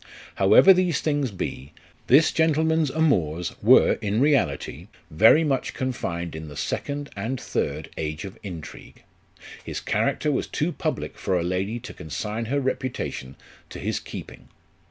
However these things be, this gentleman's amours were in reality very much confined in the second and third age of intrigue ; his character was too public for a lady to consign her reputation to his keeping.